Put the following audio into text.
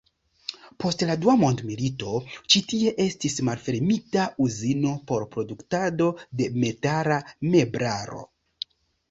Post la dua mondmilito ĉi tie estis malfermita uzino por produktado de metala meblaro.